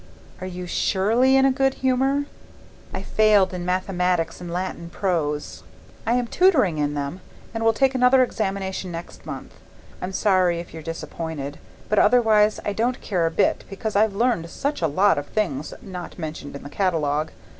Are you SURELY in a good humour? I failed in mathematics and Latin prose. I am tutoring in them, and will take another examination next month. I'm sorry if you're disappointed, but otherwise I don't care a bit because I've learned such a lot of things not mentioned in the catalogue.